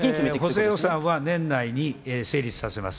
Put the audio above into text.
補正予算は年内に成立させます。